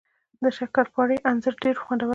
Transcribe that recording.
د شکرپارې انځر ډیر خوندور وي